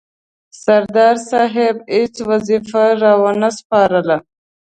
سردار صاحب هیڅ وظیفه را ونه سپارله.